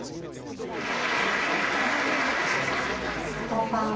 本番。